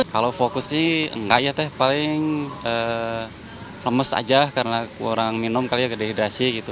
kalau fokus sih enggak ya teh paling lemes aja karena kurang minum kali ke dehidrasi gitu